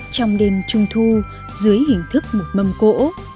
trong đêm trung thu dưới hình thức một mâm cỗ